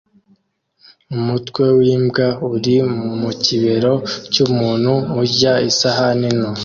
Umutwe wimbwa uri mukibero cyumuntu urya isahani nto